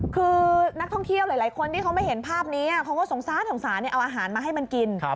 คือนักท่องเที่ยวหลายคนที่เขาไม่เห็นภาพนี้เขาก็สงสารสงสารเอาอาหารมาให้มันกิน